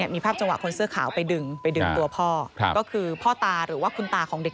มีภาพจังหวะคนเสื้อขาวไปดึงไปดึงตัวพ่อก็คือพ่อตาหรือว่าคุณตาของเด็ก